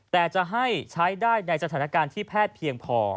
แต่จะให้ใช้ได้ในสถานการณ์ที่แพทย์เพียงพอ